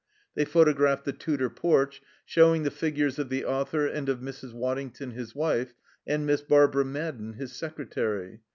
They photographed the Tudor porch, showing the figures of the author and of Mrs. Waddington, his wife, and Miss Barbara Madden, his secretary.